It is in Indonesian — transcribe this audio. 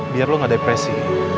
biar lo gak depresi